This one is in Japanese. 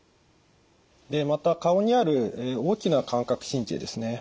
でまた顔にある大きな感覚神経ですね。